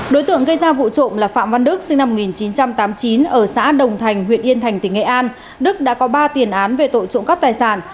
đối tượng gây ra vụ trộm là phạm văn đức sinh năm một nghìn chín trăm tám mươi chín ở xã đồng thành huyện yên thành tỉnh nghệ an đức đã có ba tiền án về tội trộm cắp tài sản